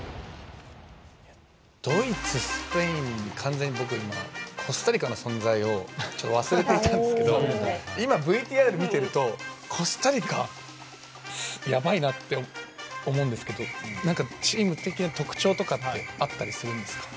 ドイツ、スペインばかりでコスタリカの存在を忘れていたんですけど今、ＶＴＲを見ているとコスタリカはやばいなって思うんですけどチーム的な特徴とかってあったりするんですか？